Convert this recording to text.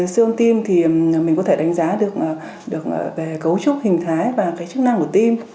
siêu âm tim thì mình có thể đánh giá được về cấu trúc hình thái và cái chức năng của tim